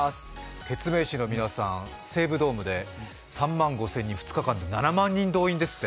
ケツメイシの皆さん、西武ドームで３万５０００人、２日間で７万人ですって。